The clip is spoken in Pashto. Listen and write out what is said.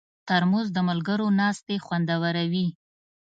ترموز د ملګرو ناستې خوندوروي.